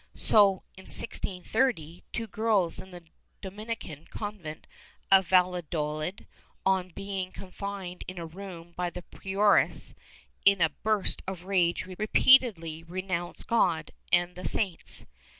So, in 1630, two girls in the Dominican convent of Valladolid, on being confined in a room by the prioress, in a burst of rage repeatedly renounced God and the saints.